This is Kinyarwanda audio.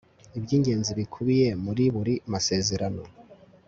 iby'ingenzi bikubiye muri buri masezerano